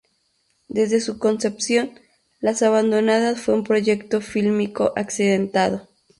Desde su concepción, "Las abandonadas" fue un proyecto fílmico accidentado.